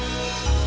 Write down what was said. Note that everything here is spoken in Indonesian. dia dih laisserasa